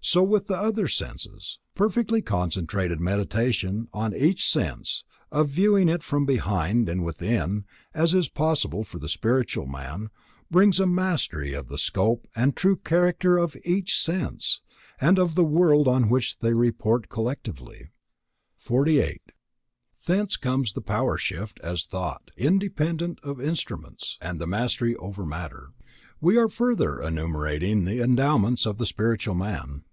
So with the other senses. Perfectly concentrated Meditation on each sense, a viewing it from behind and within, as is possible for the spiritual man, brings a mastery of the scope and true character of each sense, and of the world on which they report collectively. 48. Thence comes the power swift as thought, independent of instruments, and the mastery over matter. We are further enumerating the endowments of the spiritual man.